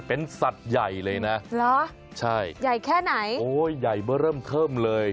เป็นสัตว์ใหญ่เลยนะเหรอใช่ใหญ่แค่ไหนโอ้ยใหญ่เมื่อเริ่มเทิมเลย